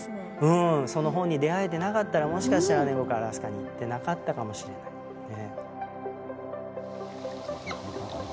うんその本に出会えてなかったらもしかしたら僕アラスカに行ってなかったかもしれないね。